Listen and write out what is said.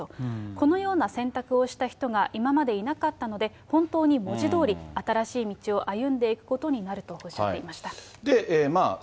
このような選択をした人が今までいなかったので、本当に文字どおり、新しい道を歩んでいくことになるとおっしゃってました。